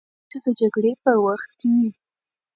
خاص امر یوازې د جګړې په وخت کي وي.